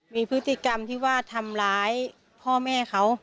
มีพฤติกรรมที่ว่าทำร้ายพ่อแม่เขา